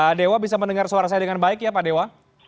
pak dewa bisa mendengar suara saya dengan baik ya pak dewa